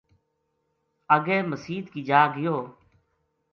اَگے مسیت کی جا گیو